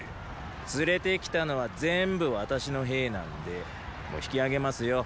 連れてきたのは全部私の兵なんでもう引き上げますよ。